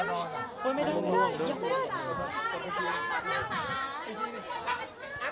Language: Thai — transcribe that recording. ไม่กลับ